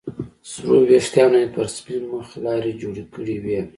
سرو ويښتانو يې پر سپين مخ لارې جوړې کړې وې.